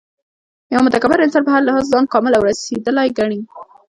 یو متکبر انسان په هر لحاظ ځان کامل او رسېدلی ګڼي